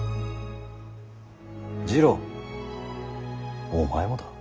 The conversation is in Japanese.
次郎お前もだ。